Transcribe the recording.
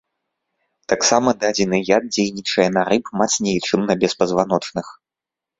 Таксама дадзены яд дзейнічае на рыб мацней, чым на беспазваночных.